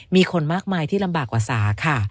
มีคนมากมายที่ลำบากกว่าสาค่ะ